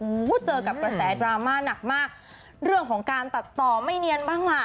โอ้โหเจอกับกระแสดราม่าหนักมากเรื่องของการตัดต่อไม่เนียนบ้างล่ะ